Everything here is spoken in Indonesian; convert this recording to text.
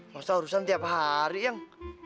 maksudnya urusan tiap hari yang